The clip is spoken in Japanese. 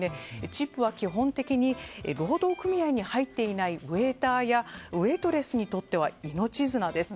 チップは基本的に労働組合に入っていないウェーターやウェートレスにとっては命綱です。